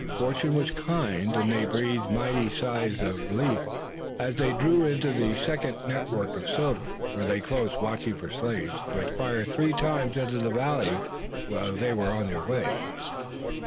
But fortune was kind and they breathed mighty sighs of relief as they drew into the second network of silver, where they lay close watching for Slade, who had fired three times into the valley while they were on the way.